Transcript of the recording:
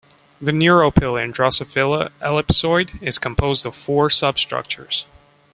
The neuropil in "Drosophila" Ellipsoid is composed of four substructures.